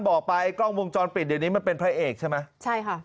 บอกไปกล้องวงจรปิดเดี๋ยวนี้มันเป็นพระเอกใช่ไหมใช่ค่ะ